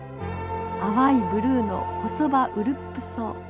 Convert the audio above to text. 淡いブルーのホソバウルップソウ。